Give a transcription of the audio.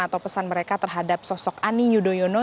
atau pesan mereka terhadap sosok ani yudhoyono